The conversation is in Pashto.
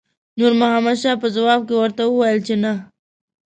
نور محمد شاه په ځواب کې ورته وویل چې نه.